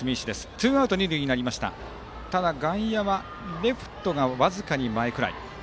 ツーアウト、二塁となりましたが外野はレフトが僅かに前くらい。